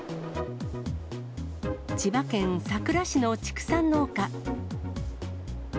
千葉県佐倉市の畜産農家。